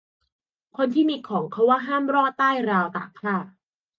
คนที่มีของ เขาว่าห้ามลอดใต้ราวตากผ้า